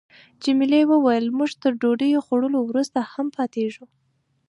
جميلې وويل: موږ تر ډوډۍ خوړلو وروسته هم پاتېږو.